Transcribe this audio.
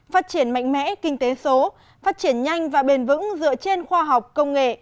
phát triển mạnh mẽ kinh tế số phát triển nhanh và bền vững dựa trên khoa học công nghệ